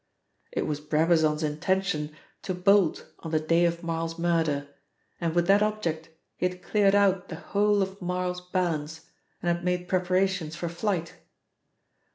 "It was Brabazon's intention to bolt on the day of Marl's murder, and with that object he had cleared out the whole of Marl's balance and had made preparations for flight.